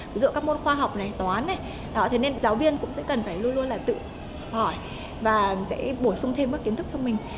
ví dụ các môn khoa học này toán thế nên giáo viên cũng sẽ cần phải luôn luôn là tự hỏi và sẽ bổ sung thêm các kiến thức cho mình